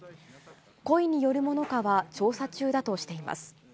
故意によるものかは調査中だとしています。